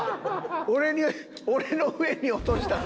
俺に俺の上に落としたぞ。